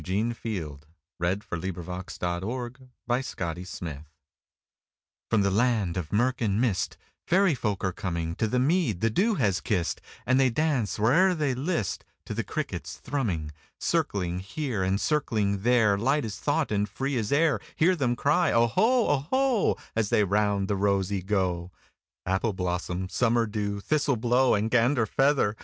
1861–1889 A Fairy Glee By Eugene Field (1850–1895) FROM the land of murk and mistFairy folk are comingTo the mead the dew has kissed, And they dance where'er they listTo the cricket's thrumming. Circling here and circling there, Light as thought and free as air, Hear them cry, "Oho, oho,"As they round the rosey go. Appleblossom, Summerdew, Thistleblow, and Ganderfeather!